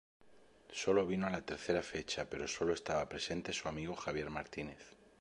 Solo vino a la tercera fecha, pero solo estaba presente su amigo Javier Martínez.